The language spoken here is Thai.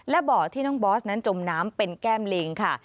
และบ่อที่น้องบอสนั้นจมน้ำเป็นแก้มลิงค่ะ